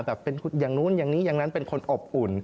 แต่เป็นอย่างนู้นอย่างนี้อย่างนั้นเป็นคนอบอุ่น